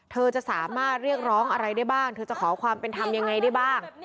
เธอจะสามารถเรียกร้องอะไรได้บ้างเธอจะขอความเป็นธรรมยังไงได้บ้าง